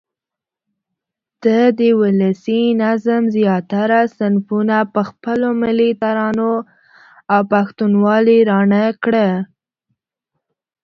ده د ولسي نظم زیاتره صنفونه په خپلو ملي ترانو او پښتونوالې راڼه کړه.